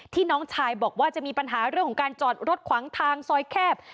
น้องชายบอกว่าจะมีปัญหาเรื่องของการจอดรถขวางทางซอยแคบ